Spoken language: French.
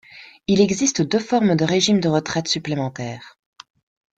Il existe deux formes de régime de retraite supplémentaire.